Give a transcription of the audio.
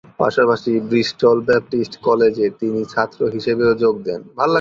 পাশাপাশি "Bristol Baptist কলেজে" তিনি ছাত্র হিসেবেও যোগ দেন।